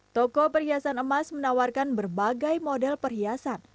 toko perhiasan emas menawarkan berbagai model perhiasan